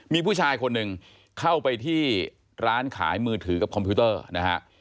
มีผู้ชายคนหนึ่งเข้าไปที่ร้านขายมือถือกับคอมพิวเตอร์นะฮะ